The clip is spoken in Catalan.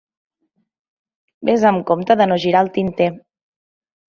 Ves amb compte de no girar el tinter.